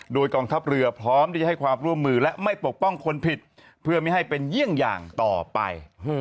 โดยกองทัพเรือพร้อมที่จะให้ความร่วมมือและไม่ปกป้องคนผิดเพื่อไม่ให้เป็นเยี่ยงอย่างต่อไป